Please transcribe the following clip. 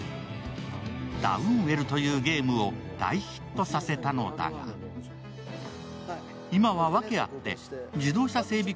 ダウンウェルというゲームを大ヒットさせたのだが今は訳あって自動車整備